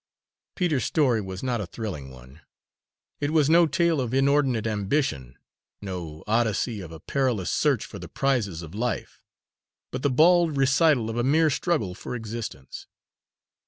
Peter's story was not a thrilling one; it was no tale of inordinate ambition, no Odyssey of a perilous search for the prizes of life, but the bald recital of a mere struggle for existence.